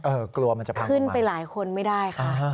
กลัวมันจะพังขึ้นไปหลายคนไม่ได้ค่ะ